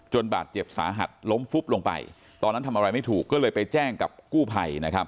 บาดเจ็บสาหัสล้มฟุบลงไปตอนนั้นทำอะไรไม่ถูกก็เลยไปแจ้งกับกู้ภัยนะครับ